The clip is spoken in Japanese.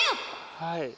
はい。